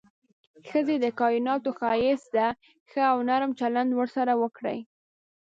ښځې د کائناتو ښايست ده، ښه او نرم چلند ورسره وکړئ.